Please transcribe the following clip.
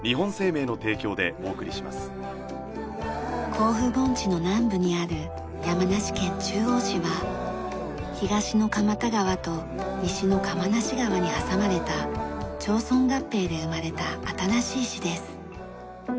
甲府盆地の南部にある山梨県中央市は東の鎌田川と西の釜無川に挟まれた町村合併で生まれた新しい市です。